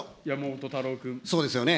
そうですよね。